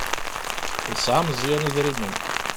Yesɛa Meẓyan idrimen.